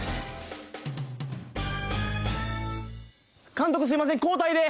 監督すみません交代で！